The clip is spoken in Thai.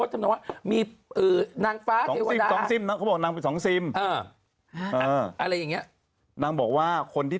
หรือแม้กระทั่งวันนี้